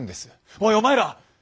「おいお前ら！」。